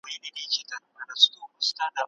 انټرنیټ اعتیاد څه شي دی؟